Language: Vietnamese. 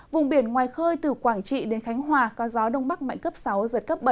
vùng biển ngoài khơi từ quảng trị đến khánh hòa có gió đông bắc mạnh cấp sáu giật cấp bảy